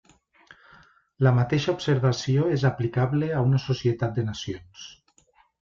La mateixa observació és aplicable a una societat de nacions.